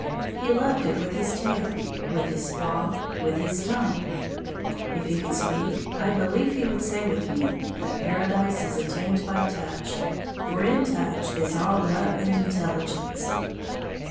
He loved it with his tail, with his paw, with his tongue. If he could speak, I believe he would say with me that paradise is attained by touch; for in touch is all love and intelligence.